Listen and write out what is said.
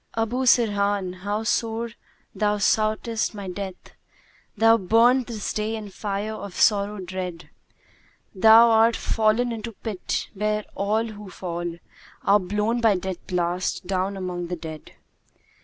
Abu Sirhan![FN#164] how sore thou sought'st my death; * Thou, burnt this day in fire of sorrow dread: Thou'rt fallen into pit, where all who fall * Are blown by Death blast down among the dead."